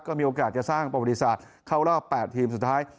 ก็มีโอกาสจะสร้างประวัติศาสตร์เข้ารอบ๘ทีมสุดท้าย